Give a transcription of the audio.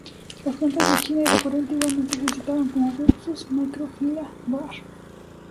Las plantas de China y de Corea antiguamente se citaban como "Buxus microphylla" var.